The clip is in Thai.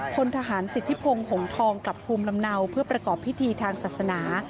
พลทหารสิทธิพงศ์หงทองกลับภูมิลำเนาเพื่อประกอบพิธีทางศาสนา